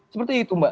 seperti itu mbak